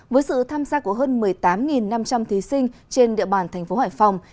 với sự tham gia của hơn một mươi tám năm trăm linh thí sinh trên địa bàn thành phố hải phòng